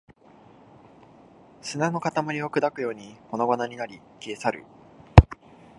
砂の塊を砕くように粉々になり、消え去る